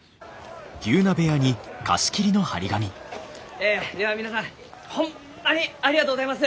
えでは皆さんホンマにありがとうございます！